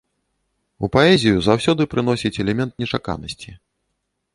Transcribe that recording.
У паэзію заўсёды прыносіць элемент нечаканасці.